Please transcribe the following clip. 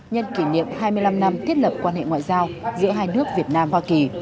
nhân kỷ niệm hai mươi năm năm thiết lập quan hệ ngoại giao giữa hai nước việt nam hoa kỳ